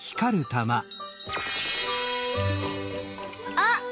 あっ！